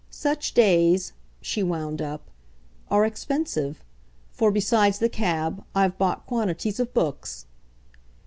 Such days," she wound up, "are expensive; for, besides the cab, I've bought quantities of books."